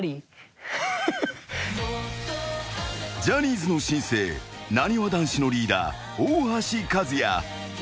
［ジャニーズの新星なにわ男子のリーダー大橋和也］